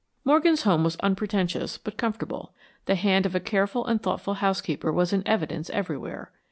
Morgan's home was unpretentious but comfortable. The hand of a careful and thoughtful housekeeper was in evidence everywhere.